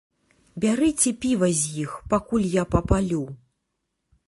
Бярыце піва з іх, пакуль я папалю.